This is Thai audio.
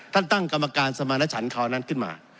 ท่านตั้งกรรมการสมาชันเขานั้นขึ้นมา